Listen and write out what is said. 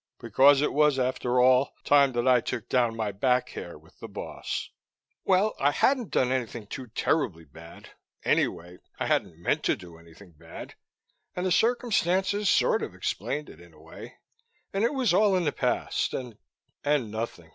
Because it was, after all, time that I took down my back hair with my boss. Well, I hadn't done anything too terribly bad anyway, I hadn't meant to do anything bad. And the circumstances sort of explained it, in a way. And it was all in the past, and And nothing.